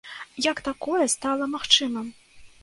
Як такое стала магчымым?